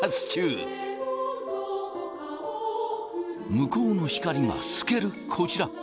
向こうの光が透けるこちら。